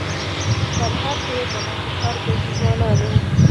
پر هر هېر د ماهیپر ګټي ځوانانو